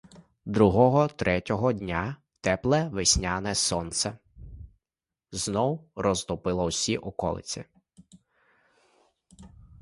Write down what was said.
Другого — третього дня тепле весняне сонце знов розтопило всі околиці.